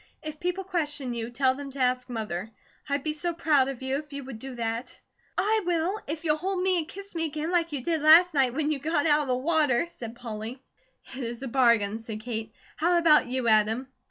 If people question you, tell them to ask Mother. I'd be so proud of you, if you would do that." "I WILL, if you'll hold me and kiss me again like you did last night when you got out of the water," said Polly. "It is a bargain," said Kate. "How about you, Adam?"